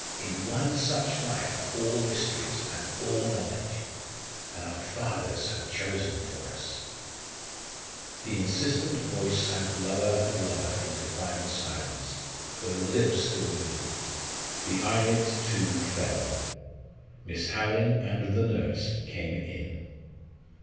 In one such life are all mysteries, and all knowledge and our fathers have chosen for us " The insistent voice sank lower and lower into final silence though the lips still moved. The eyelids too fell. Miss Hallin and the nurse came in.